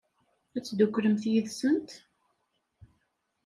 Ad tedduklemt yid-sent?